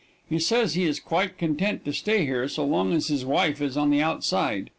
He says he is quite content to stay here, so long as his wife is on the outside.